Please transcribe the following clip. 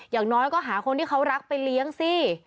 อย่างน้อยก็หาคนที่เขารักไปเลี้ยงสิ